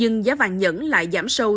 nhưng giá vàng nhẫn lại giảm sâu